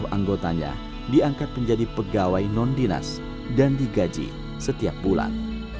satu ratus tiga puluh anggotanya diangkat menjadi pegawai non dinas dan digaji setiap bulan